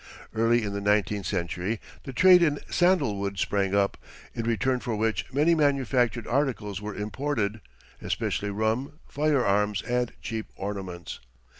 Early in the nineteenth century the trade in sandalwood sprang up, in return for which many manufactured articles were imported, especially rum, firearms and cheap ornaments.